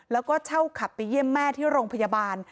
แล้วก็เช่าขับไปเยี่ยมแม่ที่โรงพยาบาล